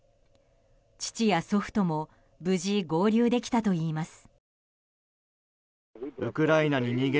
父や祖父とも無事合流できたといいます。